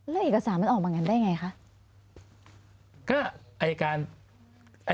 แล้วเอกสารมันออกมาอย่างนั้นได้อย่างไรคะ